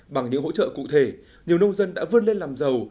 bằng những hỗ trợ cụ thể nhiều nông dân đã vươn lên làm giàu